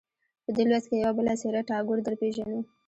په دې لوست کې یوه بله څېره ټاګور درپېژنو.